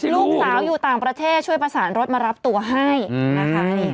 ลูกสาวอยู่ต่างประเทศช่วยประสานรถมารับตัวให้นะคะ